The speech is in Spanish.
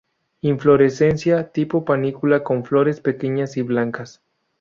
Inflorescencia tipo panícula con flores pequeñas y blancas.